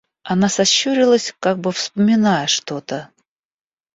Она сощурилась, как бы вспоминая что-то.